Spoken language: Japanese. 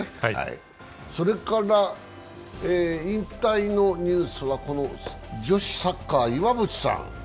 それから引退のニュースは女子サッカー・岩渕さん。